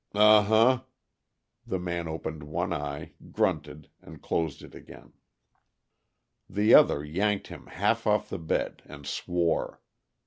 "Uh huh!" The man opened one eye, grunted, and closed it again. The other yanked him half off the bed, and swore.